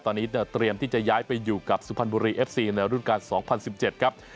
ตอนนี้เตรียมที่จะย้ายไปอยู่กับสุพรรณบุรีเอฟซีในรุ่นการ๒๐๑๗ครับ